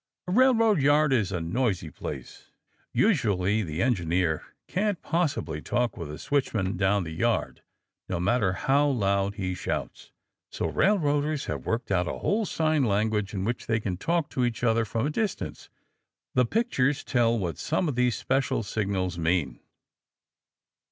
A railroad yard is a noisy place. Usually the engineer can't possibly talk with a switchman down the track, no matter how loud he shouts. So railroaders have worked out a whole sign language in which they can talk to each other from a distance. The pictures tell what some of these special signals mean.